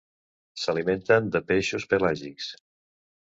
S'alimenten de peixos pelàgics.